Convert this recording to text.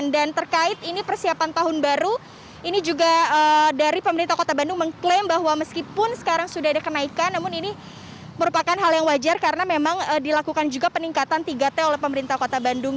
dan terkait ini persiapan tahun baru ini juga dari pemerintah kota bandung mengklaim bahwa meskipun sekarang sudah ada kenaikan namun ini merupakan hal yang wajar karena memang dilakukan juga peningkatan tiga t oleh pemerintah kota bandung